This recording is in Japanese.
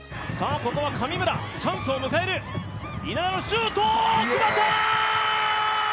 ここは神村チャンスを迎える稲田のシュート決まったー！